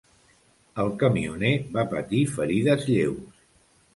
El camioner va patir ferides lleus.